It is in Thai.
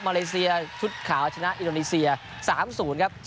เลเซียชุดขาวชนะอินโดนีเซีย๓๐ครับ